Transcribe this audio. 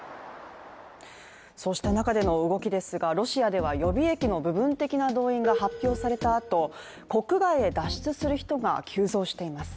そうした中での動きですがロシアでは予備役の部分的な動員が発表されたあと、国外へ脱出する人が急増しています。